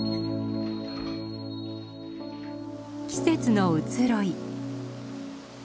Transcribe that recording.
季節の移ろい。